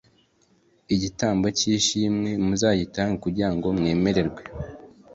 igitambo cy ishimwe muzagitambe kugira ngo mwemerwe